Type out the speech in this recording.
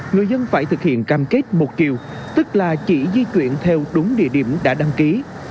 người dân phải thực hiện cam kết một chiều tức là chỉ di chuyển theo đúng địa điểm đã đăng ký